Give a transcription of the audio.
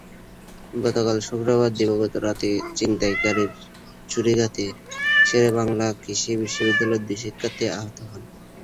গতকাল শুক্রবার দিবাগত রাতে ছিনতাইকারীর ছুরিকাঘাতে শেরেবাংলা কৃষি বিশ্ববিদ্যালয়ের দুই শিক্ষার্থী আহত হন।